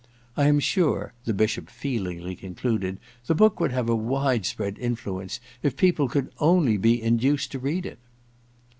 I am sure,' the Bishop feelingly concluded, *the book would have a wide spr^d influence if people could only be induced to read it